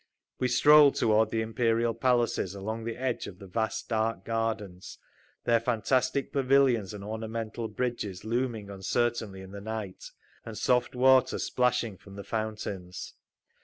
We strolled toward the Imperial Palaces, along the edge of the vast, dark gardens, their fantastic pavilions and ornamental bridges looming uncertainly in the night, and soft water splashing from the fountains.